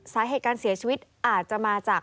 สาเหตุการเสียชีวิตอาจจะมาจาก